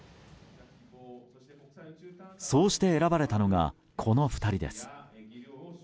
そうして選ばれたのがこの２人です。